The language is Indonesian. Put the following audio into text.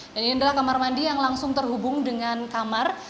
dan ini adalah kamar mandi yang langsung terhubung dengan kamar